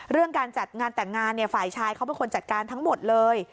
การจัดงานแต่งงานฝ่ายชายเขาเป็นคนจัดการทั้งหมดเลย